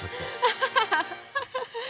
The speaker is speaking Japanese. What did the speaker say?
アハハハハ！